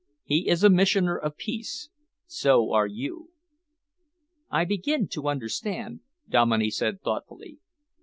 He is a missioner of peace. So are you." "I begin to understand," Dominey said thoughtfully.